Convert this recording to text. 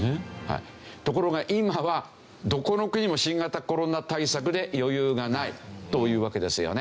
ところが今はどこの国も新型コロナ対策で余裕がないというわけですよね。